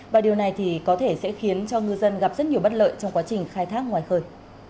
và điều này thì có thể sẽ khiến cho ngư dân gặp rất nhiều bất lợi trong quá trình khai thác ngoài khơi